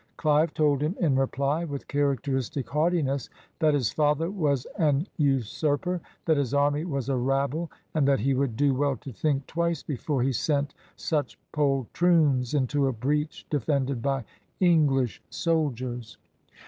Clive told him in reply, with characteristic haughtiness, that his father was an usurper, that his army was a rabble, and that he would do well to think twice before he sent such poltroons into a breach de fended by Enghsh soldiers.